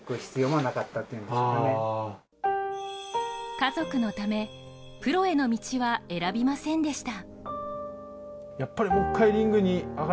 家族のためプロへの道は選びませんでした。